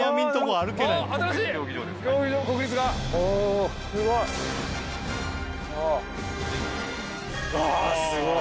あすごい。